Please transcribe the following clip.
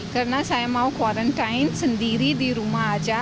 karena saya mau quarantine sendiri di rumah saja